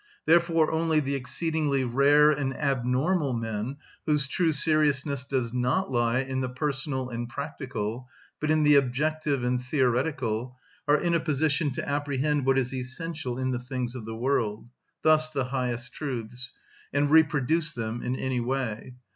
Therefore only the exceedingly rare and abnormal men whose true seriousness does not lie in the personal and practical, but in the objective and theoretical, are in a position to apprehend what is essential in the things of the world, thus the highest truths, and reproduce them in any way.